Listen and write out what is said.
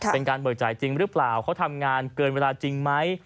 เป็นการเบิกจ่ายจริงหรือเปล่าเขาทำงานเกินเวลาจริงไหม